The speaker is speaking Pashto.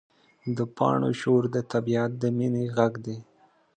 د پاڼو شور د طبیعت د مینې غږ دی.